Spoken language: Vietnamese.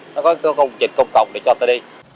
nó có công trình công cộng để cho ta đi